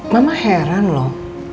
mama heran loh